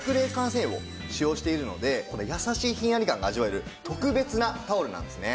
繊維を使用しているのでこの優しいひんやり感が味わえる特別なタオルなんですね。